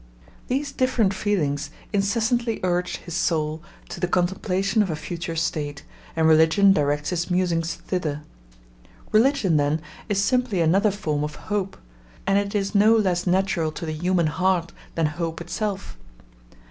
These different feelings incessantly urge his soul to the contemplation of a future state, and religion directs his musings thither. Religion, then, is simply another form of hope; and it is no less natural to the human heart than hope itself.